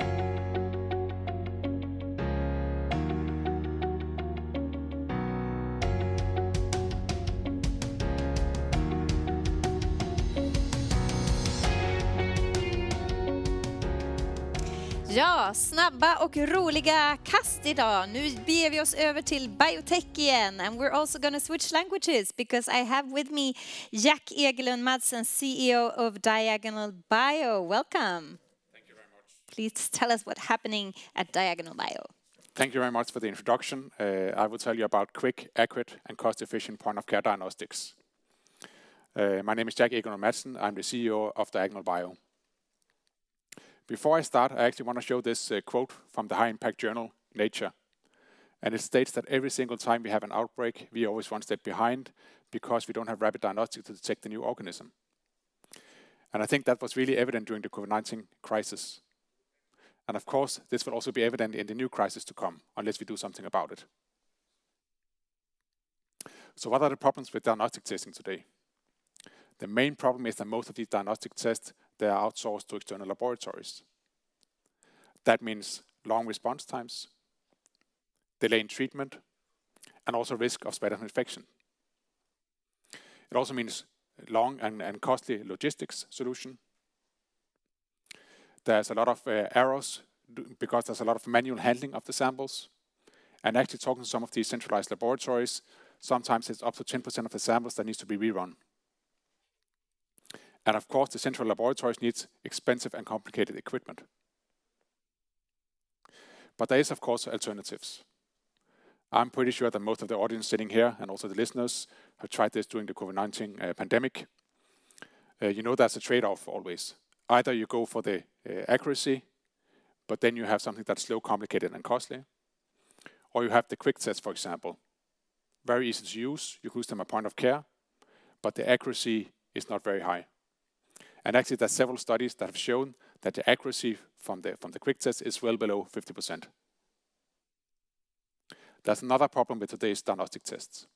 Ja, snabba och roliga cast idag. Nu beger vi oss över till biotech igen. We are also going to switch languages because I have with me Jack Egelund-Madsen, CEO of Diagonal Bio. Welcome. Thank you very much. Please tell us what's happening at Diagonal Bio. Thank you very much for the introduction. I will tell you about quick, accurate and cost-efficient point of care diagnostics. My name is Jack Egelund-Madsen. I'm the CEO of Diagonal Bio. Before I start, I actually want to show this quote from the high impact journal Nature. It states that every single time we have an outbreak, we are always one step behind because we don't have rapid diagnostics to detect the new organism. I think that was really evident during the COVID-19 crisis. Of course, this will also be evident in the new crisis to come unless we do something about it. What are the problems with diagnostic testing today? The main problem is that most of these diagnostic tests, they are outsourced to external laboratories. That means long response times, delay in treatment, and also risk of spread of infection. It also means long and costly logistics solution. There's a lot of errors because there's a lot of manual handling of the samples. Actually talking to some of these centralized laboratories, sometimes it's up to 10% of the samples that needs to be rerun. Of course, the central laboratories needs expensive and complicated equipment. There is of course alternatives. I'm pretty sure that most of the audience sitting here, and also the listeners, have tried this during the COVID-19 pandemic. You know, that's a trade-off always. Either you go for the accuracy, but then you have something that's slow, complicated, and costly. You have the quick tests, for example. Very easy to use. You use them at point of care, but the accuracy is not very high. Actually, there's several studies that have shown that the accuracy from the, from the quick tests is well below 50%. There's another problem with today's diagnostic tests,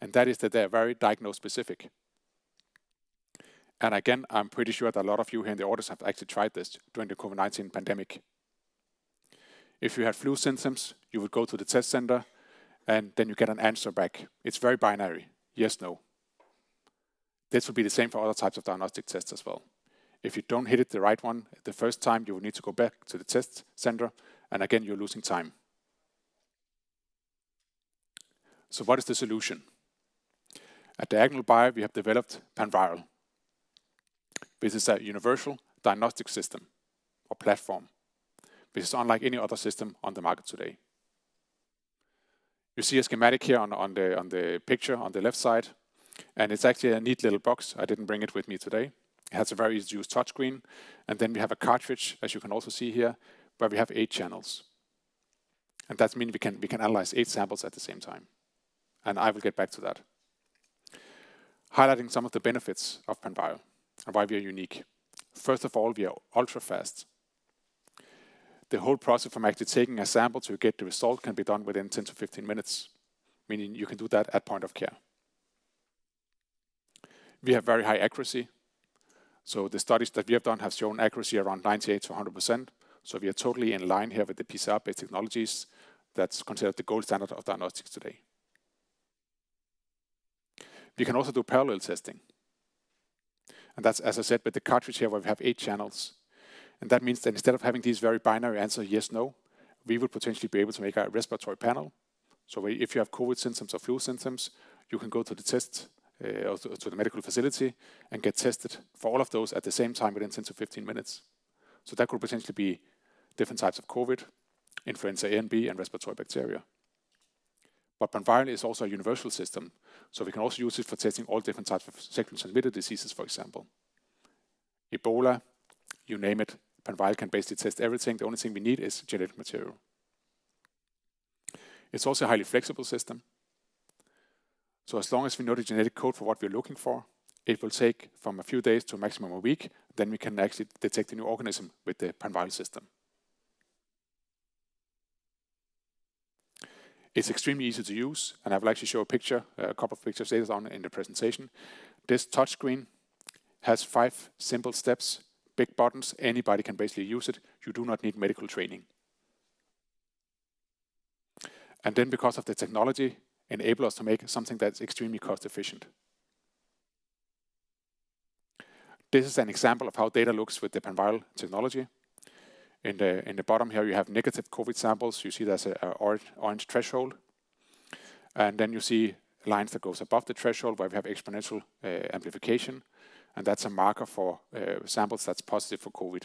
and that is that they are very diagnose-specific. Again, I'm pretty sure that a lot of you here in the audience have actually tried this during the COVID-19 pandemic. If you have flu symptoms, you would go to the test center and then you get an answer back. It's very binary. Yes, no. This would be the same for other types of diagnostic tests as well. If you don't hit it the right one the first time, you will need to go back to the test center and again, you're losing time. What is the solution? At Diagonal Bio, we have developed PANVIRAL. This is a universal diagnostic system or platform. This is unlike any other system on the market today. You see a schematic here on the picture on the left side, it's actually a neat little box. I didn't bring it with me today. It has a very easy-to-use touchscreen. Then we have a cartridge, as you can also see here, where we have eight channels. That means we can analyze eight samples at the same time. I will get back to that. Highlighting some of the benefits of PANVIRAL and why we are unique. First of all, we are ultra-fast. The whole process from actually taking a sample to get the result can be done within 10-15 minutes, meaning you can do that at point of care. We have very high accuracy. The studies that we have done have shown accuracy around 98%-100%. We are totally in line here with the PCR-based technologies that's considered the gold standard of diagnostics today. We can also do parallel testing, and that's, as I said, with the cartridge here, where we have eight channels. That means that instead of having these very binary answers, yes, no, we will potentially be able to make a respiratory panel. If you have COVID symptoms or flu symptoms, you can go to the test or to the medical facility and get tested for all of those at the same time within 10-15 minutes. That could potentially be different types of COVID, influenza A and B, and respiratory bacteria. PANVIRAL is also a universal system, so we can also use it for testing all different types of sexually transmitted diseases, for example. Ebola, you name it, PANVIRAL can basically test everything. The only thing we need is genetic material. It's also a highly flexible system. As long as we know the genetic code for what we're looking for, it will take from a few days to a maximum a week, then we can actually detect the new organism with the PANVIRAL system. It's extremely easy to use, and I will actually show a picture, a couple of pictures later on in the presentation. This touchscreen has five simple steps, big buttons. Anybody can basically use it. You do not need medical training. Because of the technology enable us to make something that's extremely cost-efficient. This is an example of how data looks with the PANVIRAL technology. In the bottom here, you have negative COVID samples. You see there's an orange threshold, and then you see lines that goes above the threshold where we have exponential amplification, and that's a marker for samples that's positive for COVID.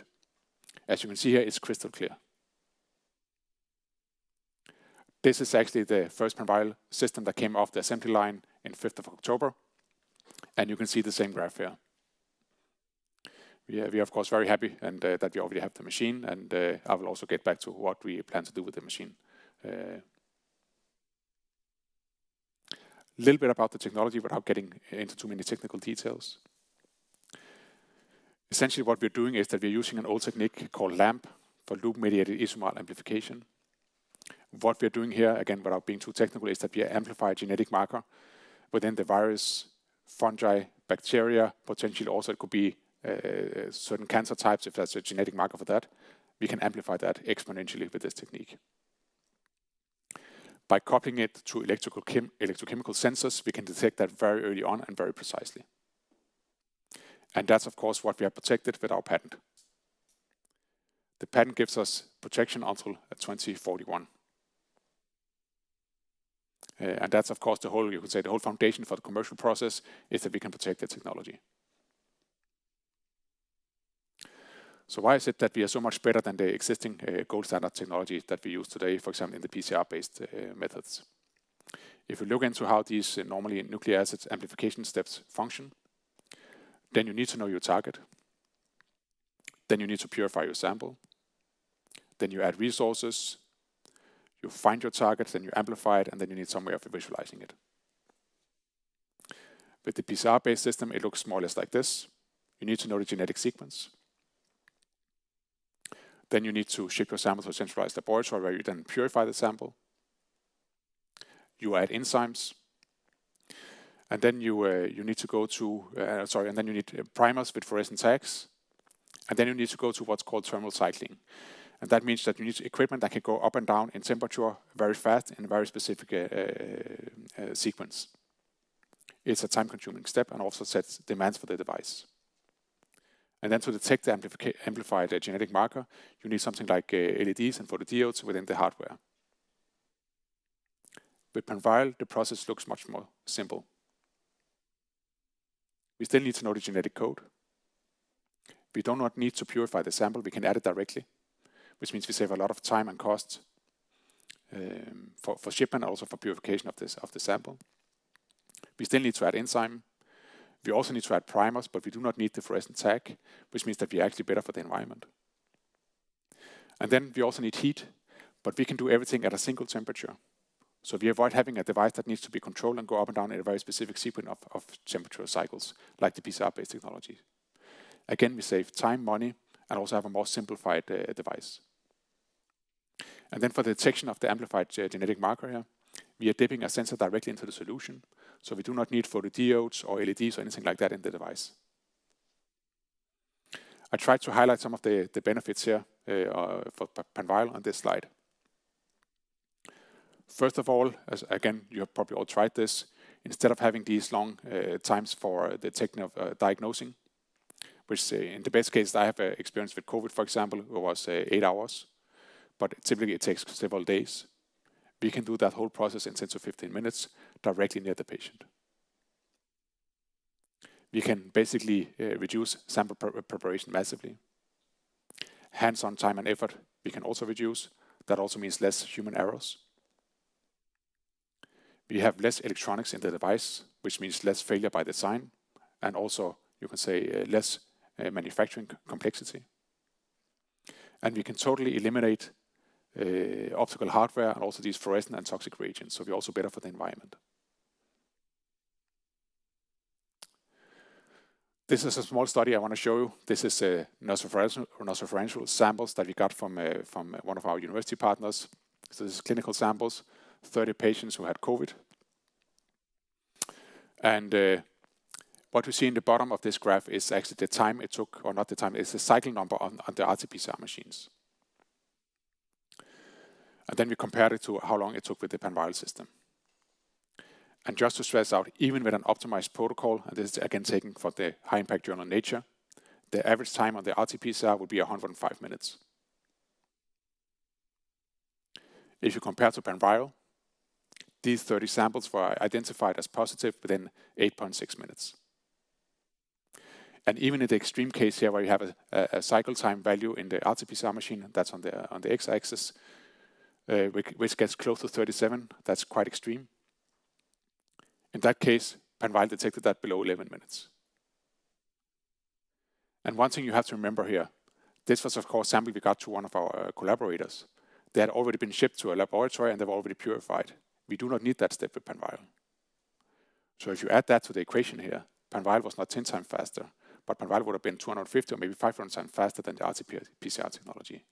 As you can see here, it's crystal clear. This is actually the first PANVIRAL system that came off the assembly line in 5th of October, and you can see the same graph here. We are of course, very happy and that we already have the machine and I will also get back to what we plan to do with the machine. Little bit about the technology without getting into too many technical details. Essentially, what we're doing is that we're using an old technique called LAMP, for loop-mediated isothermal amplification. What we are doing here, again, without being too technical, is that we amplify a genetic marker within the virus, fungi, bacteria, potentially also it could be certain cancer types if there's a genetic marker for that. We can amplify that exponentially with this technique. By copying it to electrochemical sensors, we can detect that very early on and very precisely. That's, of course, what we have protected with our patent. The patent gives us protection until 2041. That's, of course, the whole, you could say, the whole foundation for the commercial process, is that we can protect the technology. Why is it that we are so much better than the existing gold standard technology that we use today, for example, in the PCR-based methods? If you look into how these normally nucleic acid amplification steps function, then you need to know your target, then you need to purify your sample, then you add resources, you find your target, then you amplify it, and then you need some way of visualizing it. With the PCR-based system, it looks more or less like this. You need to know the genetic sequence. You need to ship your sample to a centralized laboratory where you then purify the sample. You add enzymes. You need primers with fluorescent tags, and then you need to go to what's called thermal cycling. That means that you need equipment that can go up and down in temperature very fast in a very specific sequence. It's a time-consuming step and also sets demands for the device. To detect the amplifier, the genetic marker, you need something like LEDs and photodiodes within the hardware. With PANVIRAL, the process looks much more simple. We still need to know the genetic code. We do not need to purify the sample. We can add it directly, which means we save a lot of time and cost for shipment, also for purification of the sample. We still need to add enzyme. We also need to add primers, but we do not need the fluorescent tag, which means that we are actually better for the environment. We also need heat. We can do everything at a single temperature. We avoid having a device that needs to be controlled and go up and down at a very specific sequence of temperature cycles, like the PCR-based technology. Again, we save time, money, and also have a more simplified device. For the detection of the amplified genetic marker here, we are dipping a sensor directly into the solution. We do not need photodiodes or LEDs or anything like that in the device. I tried to highlight some of the benefits here for PANVIRAL on this slide. First of all, as, again, you have probably all tried this, instead of having these long times for the technique of diagnosing, which in the best case, I have experience with COVID-19, for example, it was eight hours, but typically it takes several days. We can do that whole process in 10-15 minutes directly near the patient. We can basically reduce sample pre-preparation massively. Hands-on time and effort we can also reduce. That also means less human errors. We have less electronics in the device, which means less failure by design, and also you can say less manufacturing complexity. We can totally eliminate optical hardware and also these fluorescent and toxic reagents, so we're also better for the environment. This is a small study I want to show you. This is a nasopharyngeal samples that we got from one of our university partners. This is clinical samples, 30 patients who had COVID. What you see in the bottom of this graph is actually the time it took, or not the time, it's the cycling number on the RT-PCR machines. We compared it to how long it took with the PANVIRAL system. Just to stress out, even with an optimized protocol, and this is, again, taken from the high impact journal Nature, the average time on the RT-PCR would be 105 minutes. If you compare to PANVIRAL, these 30 samples were identified as positive within 8.6 minutes. Even in the extreme case here, where you have a cycle time value in the RT PCR machine that's on the x-axis, which gets close to 37, that's quite extreme. In that case, PANVIRAL detected that below 11 minutes. One thing you have to remember here, this was, of course, sample we got to one of our collaborators. They had already been shipped to a laboratory, and they've already purified. We do not need that step with PANVIRAL. If you add that to the equation here, PANVIRAL was not 10 times faster, but PANVIRAL would have been 250 or maybe 500 times faster than the RT-PCR technology.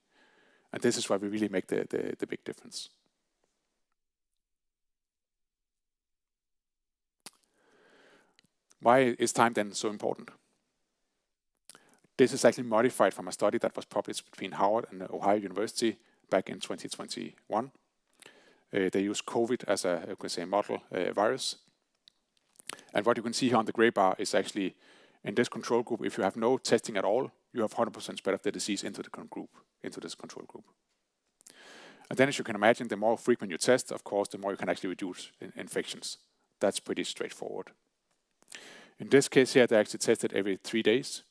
This is where we really make the big difference. Why is time then so important? This is actually modified from a study that was published between Harvard and Ohio University back in 2021. They used COVID as a, you could say, model virus. What you can see here on the gray bar is actually in this control group, if you have no testing at all, you have 100% spread of the disease into the con group, into this control group. Then as you can imagine, the more frequent you test, of course, the more you can actually reduce infections. That's pretty straightforward. In this case here, they actually tested every three days.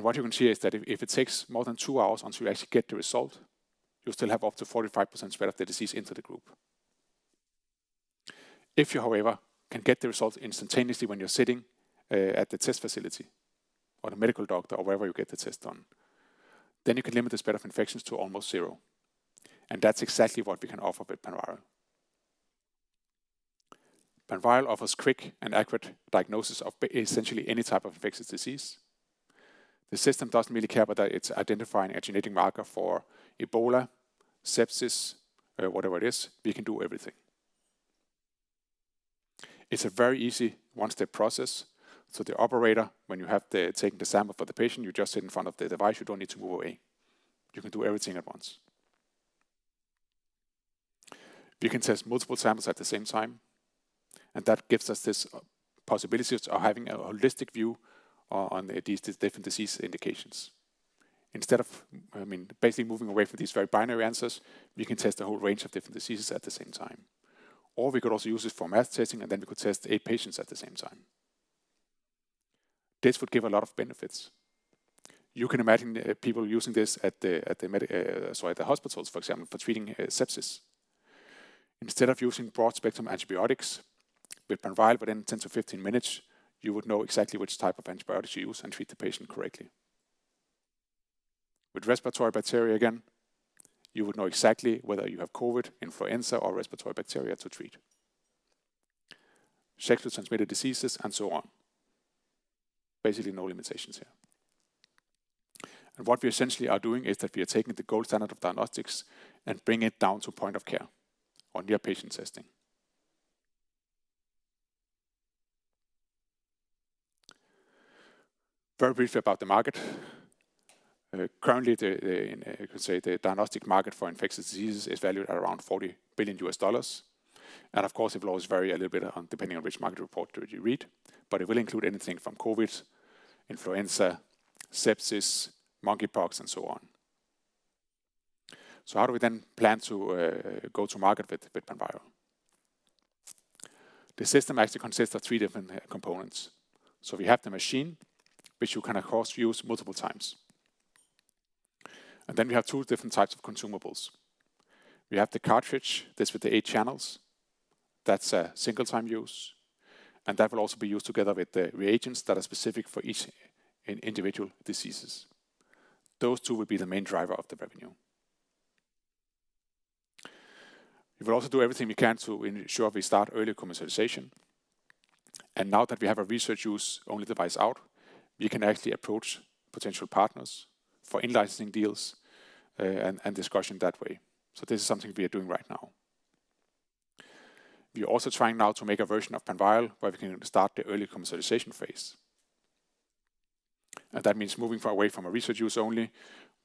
What you can see is that if it takes more than two hours until you actually get the result, you still have up to 45% spread of the disease into the group. If you, however, can get the results instantaneously when you're sitting at the test facility or the medical doctor or wherever you get the test done, then you can limit the spread of infections to almost zero. That's exactly what we can offer with PANVIRAL. PANVIRAL offers quick and accurate diagnosis of essentially any type of infectious disease. The system doesn't really care whether it's identifying a genetic marker for Ebola, sepsis, whatever it is. We can do everything. It's a very easy one-step process. The operator, when you have the taking the sample for the patient, you just sit in front of the device. You don't need to move away. You can do everything at once. You can test multiple samples at the same time. That gives us this possibility of having a holistic view on these different disease indications. Instead of, I mean, basically moving away from these very binary answers, we can test a whole range of different diseases at the same time. We could also use this for mass testing, and then we could test 8 patients at the same time. This would give a lot of benefits. You can imagine people using this at the hospitals, for example, for treating sepsis. Instead of using broad-spectrum antibiotics, with PANVIRAL within 10-15 minutes, you would know exactly which type of antibiotics to use and treat the patient correctly. With respiratory bacteria again, you would know exactly whether you have COVID-19, influenza, or respiratory bacteria to treat. Sexually transmitted diseases, and so on. Basically, no limitations here. What we essentially are doing is that we are taking the gold standard of diagnostics and bring it down to point of care or near-patient testing. Very briefly about the market. Currently, the, you could say, the diagnostic market for infectious disease is valued at around $40 billion. Of course, it will always vary a little bit on depending on which market report you read, but it will include anything from COVID, influenza, sepsis, mpox, and so on. How do we then plan to go to market with PANVIRAL? The system actually consists of three different components. We have the machine, which you can, of course, use multiple times. Then we have two different types of consumables. We have the cartridge. This with the eight channels. That's a single-time use, that will also be used together with the reagents that are specific for each in individual diseases. Those two will be the main driver of the revenue. We will also do everything we can to ensure we start early commercialization. Now that we have a research-use-only device out, we can actually approach potential partners for in-licensing deals, and discussion that way. This is something we are doing right now. We are also trying now to make a version of PANVIRAL where we can start the early commercialization phase. That means moving far away from a research use only,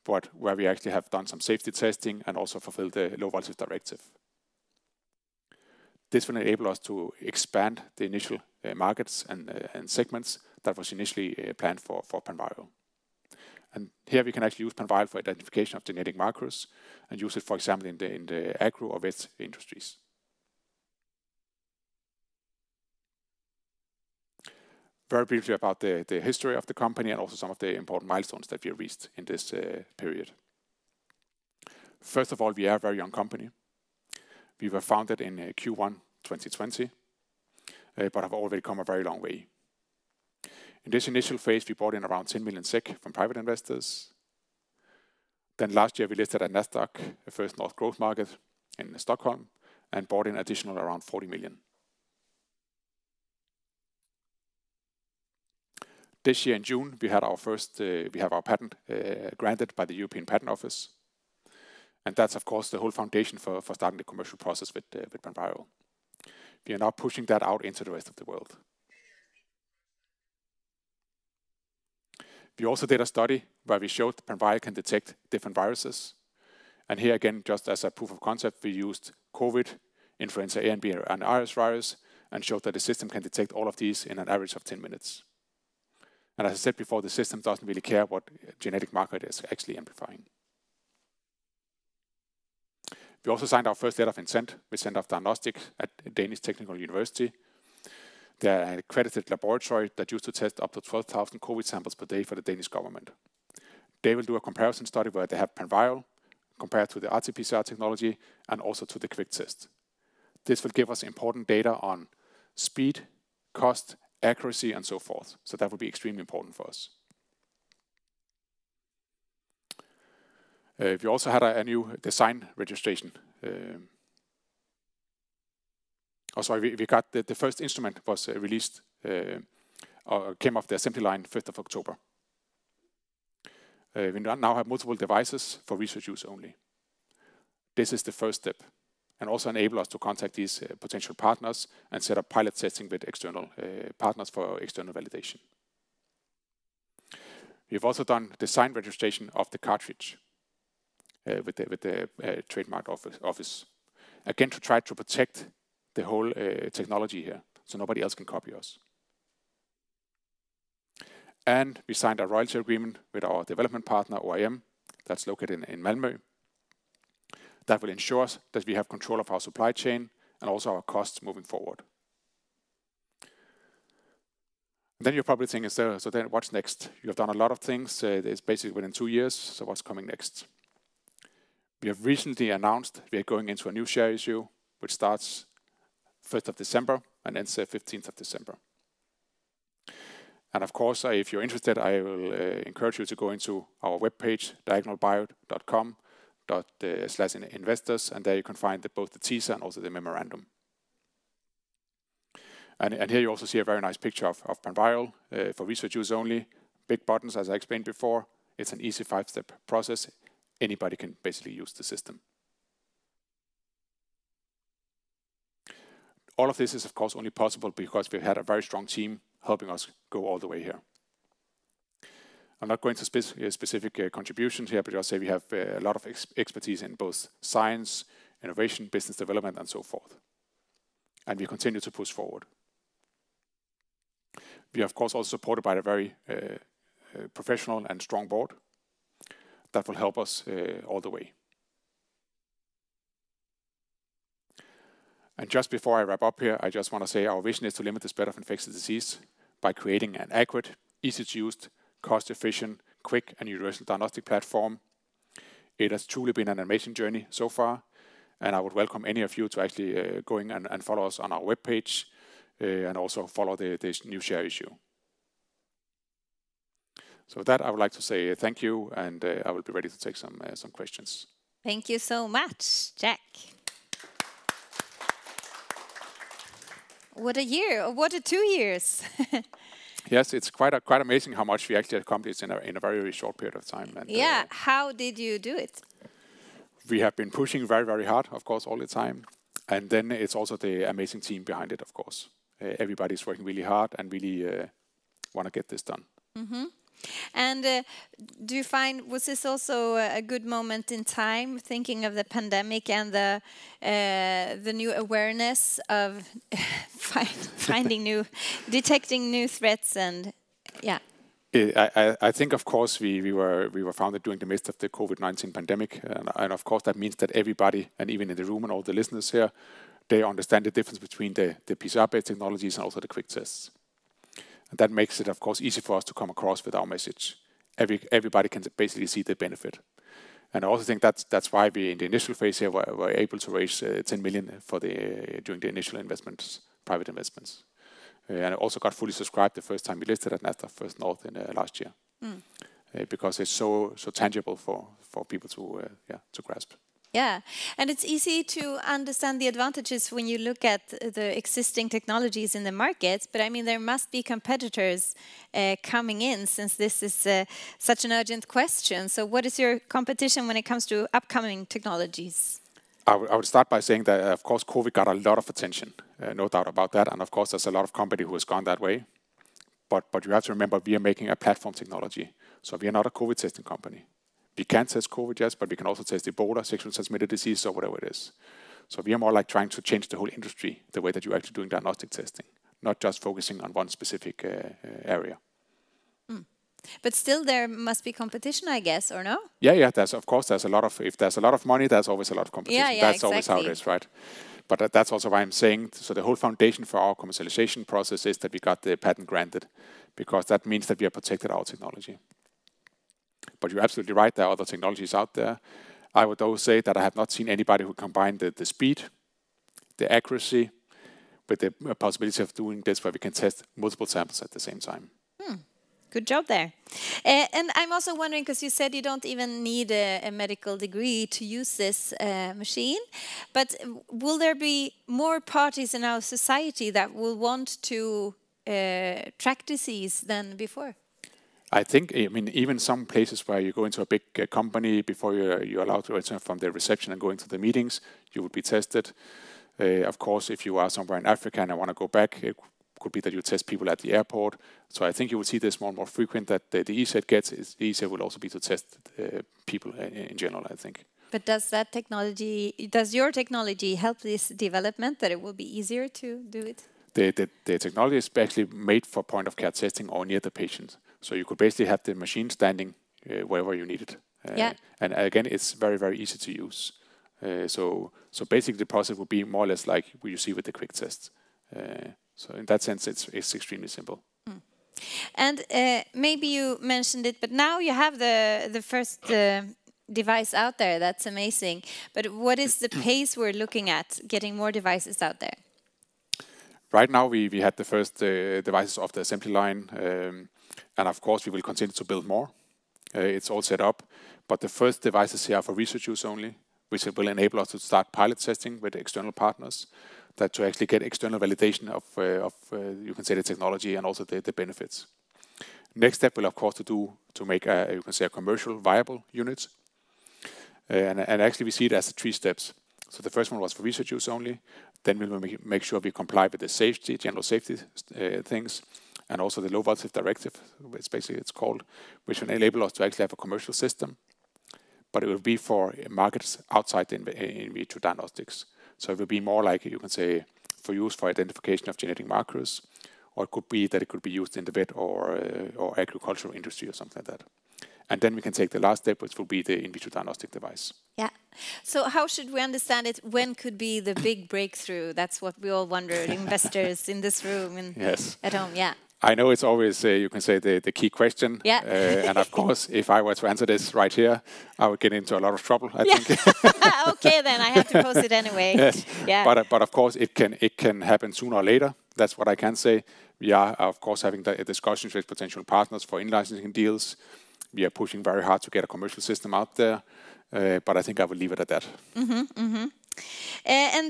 but where we actually have done some safety testing and also fulfilled the Low Voltage Directive. This will enable us to expand the initial markets and segments that was initially planned for PANVIRAL. Here we can actually use PANVIRAL for identification of genetic markers and use it, for example, in the agro or vet industries. Very briefly about the history of the company and also some of the important milestones that we have reached in this period. First of all, we are a very young company. We were founded in Q1 2020 but have already come a very long way. In this initial phase, we brought in around 10 million SEK from private investors. Last year, we listed at Nasdaq First North Growth Market in Stockholm, and brought in additional around 40 million. This year in June, we have our patent granted by the European Patent Office. That's, of course, the whole foundation for starting the commercial process with PANVIRAL. We are now pushing that out into the rest of the world. We also did a study where we showed PANVIRAL can detect different viruses. Here again, just as a proof of concept, we used COVID-19, influenza A and B, and RSV and showed that the system can detect all of these in an average of 10 minutes. As I said before, the system doesn't really care what genetic marker it is actually amplifying. We also signed our first letter of intent with Centre for Diagnostics at Technical University of Denmark. They're an accredited laboratory that used to test up to 12,000 COVID-19 samples per day for the Danish government. They will do a comparison study where they have PANVIRAL compared to the RT-PCR technology and also to the Quick Test. This will give us important data on speed, cost, accuracy, and so forth. That will be extremely important for us. We also had a new design registration. Oh, sorry. We got the first instrument was released or came off the assembly line 5th of October. We now have multiple devices for research-use-only. This is the first step and also enable us to contact these potential partners and set up pilot testing with external partners for external validation. We've also done design registration of the cartridge with the trademark office, again, to try to protect the whole technology here so nobody else can copy us. We signed a royalty agreement with our development partner, OIM, that's located in Malmö. That will ensure us that we have control of our supply chain and also our costs moving forward. You're probably thinking, "So then what's next? You have done a lot of things. It's basically within two years, so what's coming next?" We have recently announced we are going into a new share issue, which starts 3rd of December and ends at 15th of December. Of course, if you're interested, I will encourage you to go into our webpage diagonalbio.com/in-investors, there you can find the both the teaser and also the memorandum. Here you also see a very nice picture of PANVIRAL for research-use-only. Big buttons, as I explained before. It's an easy five-step process. Anybody can basically use the system. All of this is, of course, only possible because we had a very strong team helping us go all the way here. I'm not going to specific contributions here, but just say we have a lot of expertise in both science, innovation, business development, and so forth. We continue to push forward. We are, of course, also supported by a very professional and strong board that will help us all the way. Just before I wrap up here, I just want to say our vision is to limit the spread of infectious disease by creating an accurate, easy-to-use, cost-efficient, quick, and universal diagnostic platform. It has truly been an amazing journey so far, and I would welcome any of you to actually go in and follow us on our webpage and also follow this new share issue. With that, I would like to say thank you, and I will be ready to take some questions. Thank you so much, Jack. What a year. What a two years. It's quite amazing how much we actually accomplished in a very short period of time, and... Yeah. How did you do it? We have been pushing very, very hard, of course, all the time. Then it's also the amazing team behind it, of course. Everybody's working really hard and really wanna get this done. Was this also a good moment in time, thinking of the pandemic and the new awareness of detecting new threats and? Yeah. Yeah. I think, of course, we were founded during the midst of the COVID-19 pandemic and, of course, that means that everybody, and even in the room and all the listeners here, they understand the difference between the PCR-based technologies and also the quick tests. That makes it, of course, easy for us to come across with our message. Everybody can basically see the benefit. I also think that's why we, in the initial phase here, were able to raise 10 million during the initial investments, private investments. It also got fully subscribed the first time we listed at Nasdaq First North in last year. Mm... because it's so tangible for people to, yeah, to grasp. Yeah. It's easy to understand the advantages when you look at the existing technologies in the markets. I mean, there must be competitors coming in since this is such an urgent question. What is your competition when it comes to upcoming technologies? I would start by saying that, of course, COVID got a lot of attention. No doubt about that. Of course, there's a lot of company who has gone that way. You have to remember, we are making a platform technology, so we are not a COVID testing company. We can test COVID, yes, but we can also test Ebola, sexually transmitted disease, or whatever it is. We are more like trying to change the whole industry, the way that you're actually doing diagnostic testing, not just focusing on one specific area. Still there must be competition, I guess. No? Yeah, yeah. There's a lot of. If there's a lot of money, there's always a lot of competition. Yeah, yeah. Exactly. That's always how it is, right? That's also why I'm saying, so the whole foundation for our commercialization process is that we got the patent granted, because that means that we are protected our technology. You're absolutely right, there are other technologies out there. I would, though, say that I have not seen anybody who combined the speed, the accuracy, with the possibility of doing this, where we can test multiple samples at the same time. Good job there. I'm also wondering, 'cause you said you don't even need a medical degree to use this machine. Will there be more parties in our society that will want to track disease than before? I think, I mean, even some places where you go into a big, company, before you're allowed to enter from the reception and go into the meetings, you will be tested. Of course, if you are somewhere in Africa and want to go back, it could be that you test people at the airport. I think you will see this more and more frequent that the easier it gets, it's easier will also be to test people in general, I think. Does your technology help this development, that it will be easier to do it? The technology is basically made for point of care testing or near the patient. You could basically have the machine standing wherever you need it. Yeah. Again, it's very, very easy to use. Basically the process will be more or less like what you see with the quick tests. In that sense, it's extremely simple. Maybe you mentioned it, but now you have the first device out there. That's amazing. What is the pace we're looking at getting more devices out there? Right now we had the first device off the assembly line. Of course, we will continue to build more. It's all set up. The first devices here are for research use only, which will enable us to start pilot testing with external partners. That to actually get external validation of, you can say the technology and also the benefits. Next step will of course to make, you can say a commercial viable unit. Actually we see it as three steps. The first one was for research use only. We're gonna make sure we comply with the safety, general safety, things, and also the Low Voltage Directive, it's basically, it's called, which will enable us to actually have a commercial system, but it will be for markets outside the in vitro diagnostics. It will be more like, you can say, for use for identification of genetic markers, or it could be that it could be used in the vet or agricultural industry or something like that. We can take the last step, which will be the in vitro diagnostic device. Yeah. How should we understand it? When could be the big breakthrough? That's what we all wonder- ...investors in this room and- Yes at home. Yeah. I know it's always, you can say the key question. Yeah. Of course, if I were to answer this right here, I would get into a lot of trouble, I think. Okay. I have to post it anyway. Yes. Yeah. Of course it can, it can happen sooner or later. That's what I can say. We are of course having a discussion with potential partners for in-licensing deals. We are pushing very hard to get a commercial system out there, I think I will leave it at that.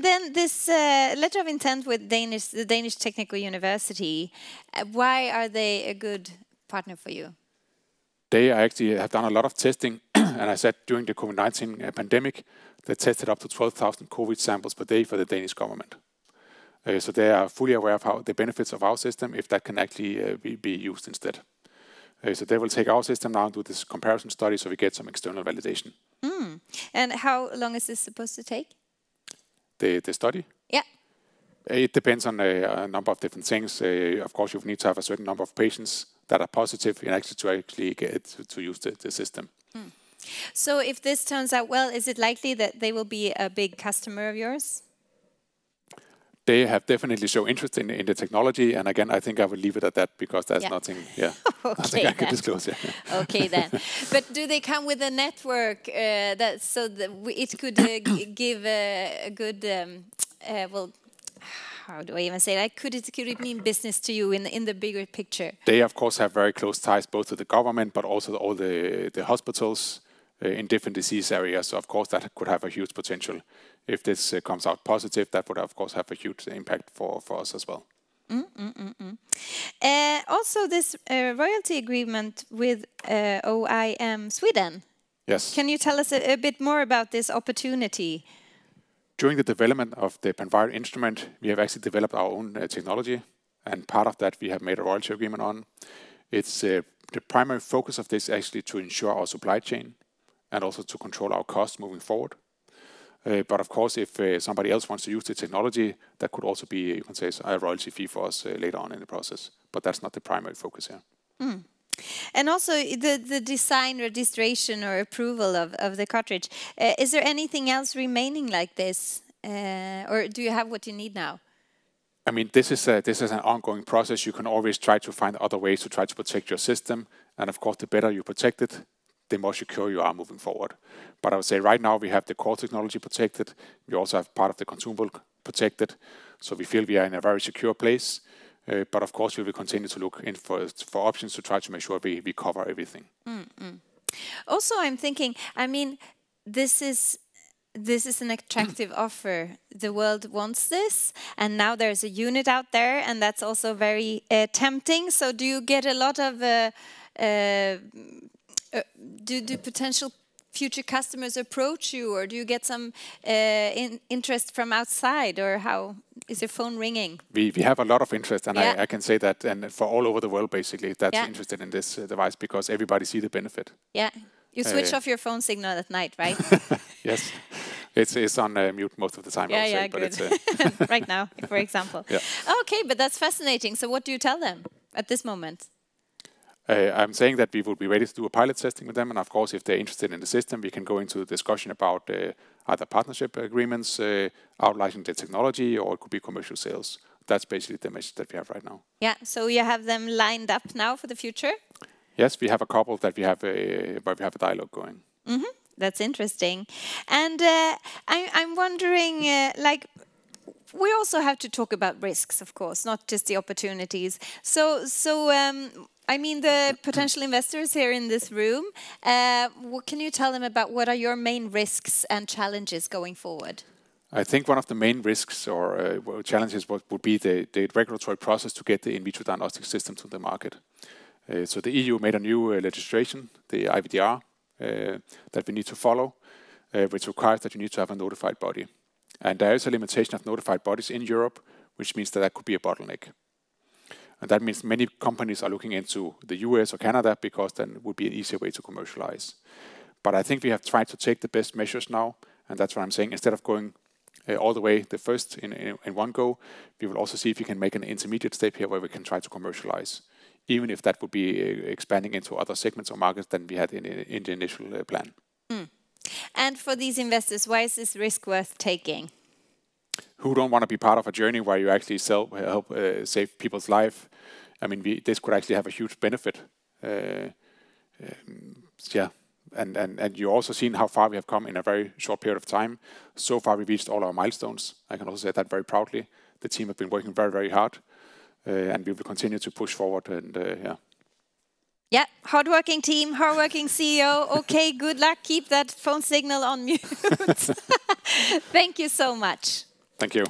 Then this letter of intent with the Technical University of Denmark, why are they a good partner for you? They actually have done a lot of testing. I said during the COVID-19 pandemic, they tested up to 12,000 COVID samples per day for the Danish government. They are fully aware of how the benefits of our system if that can actually be used instead. They will take our system now and do this comparison study so we get some external validation. How long is this supposed to take? The study? Yeah. It depends on a number of different things. Of course, you need to have a certain number of patients that are positive and actually get it to use the system. If this turns out well, is it likely that they will be a big customer of yours? They have definitely show interest in the technology. Again, I think I will leave it at that. Yeah. yeah, I think I can disclose. Yeah. Okay. Do they come with a network, that it could give a good, well, how do I even say that? Could it mean business to you in the bigger picture? They of course have very close ties both to the government but also all the hospitals, in different disease areas. Of course, that could have a huge potential. If this comes out positive, that would of course have a huge impact for us as well. Also this royalty agreement with OIM Sweden. Yes. Can you tell us a bit more about this opportunity? During the development of the PANVIRAL instrument, we have actually developed our own technology and part of that we have made a royalty agreement on. It's the primary focus of this actually to ensure our supply chain and also to control our costs moving forward. Of course, if somebody else wants to use the technology, that could also be, you can say it's a royalty fee for us later on in the process, but that's not the primary focus here. The design registration or approval of the cartridge, is there anything else remaining like this, or do you have what you need now? I mean, this is an ongoing process. You can always try to find other ways to try to protect your system. Of course, the better you protect it, the more secure you are moving forward. I would say right now we have the core technology protected. We also have part of the consumable protected, so we feel we are in a very secure place. Of course, we will continue to look in for options to try to make sure we cover everything. I'm thinking, I mean, this is an attractive offer. The world wants this. Now there's a unit out there, and that's also very tempting. Do you get a lot of interest? Do potential future customers approach you, or do you get some interest from outside, or how? Is your phone ringing? We have a lot of Yeah I can say that and for all over the world basically. Yeah... that's interested in this device because everybody see the benefit. Yeah. Uh- You switch off your phone signal at night, right? Yes. It's on mute most of the time I would say. Yeah.... it's, Right now, for example. Yeah. Okay. That's fascinating. What do you tell them at this moment? I'm saying that we will be ready to do a pilot testing with them, and of course, if they're interested in the system, we can go into a discussion about either partnership agreements, outlining the technology or it could be commercial sales. That's basically the message that we have right now. Yeah. You have them lined up now for the future? Yes. We have a couple that we have a dialogue going. That's interesting. I'm wondering, like we also have to talk about risks of course, not just the opportunities. I mean, the potential investors here in this room, what can you tell them about what are your main risks and challenges going forward? I think one of the main risks or, well, challenges would be the regulatory process to get the in vitro diagnostic system to the market. The EU made a new legislation, the IVDR, that we need to follow, which requires that you need to have a notified body. There is a limitation of notified bodies in Europe, which means that that could be a bottleneck. That means many companies are looking into the U.S. or Canada because then it would be an easier way to commercialize. I think we have tried to take the best measures now, and that's why I'm saying instead of going, all the way the first in one go, we will also see if we can make an intermediate step here where we can try to commercialize, even if that would be, expanding into other segments or markets than we had in the initial plan. For these investors, why is this risk worth taking? Who don't want to be part of a journey where you actually sell, save people's life? I mean, this could actually have a huge benefit. yeah. you're also seeing how far we have come in a very short period of time. Far, we've reached all our milestones. I can also say that very proudly. The team have been working very, very hard. We will continue to push forward and, yeah. Yeah. Hardworking team, hardworking CEO. Okay. Good luck. Keep that phone signal on mute. Thank you so much. Thank you.